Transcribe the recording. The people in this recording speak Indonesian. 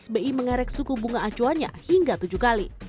bi mengerek suku bunga acuannya hingga tujuh kali